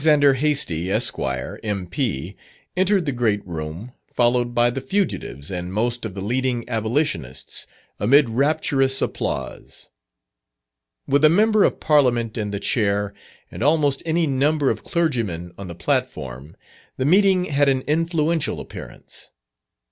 Hastie, Esq., M.P., entered the great room, followed by the fugitives and most of the leading abolitionists, amid rapturous applause. With a Member of Parliament in the chair, and almost any number of clergymen on the platform, the meeting had an influential appearance.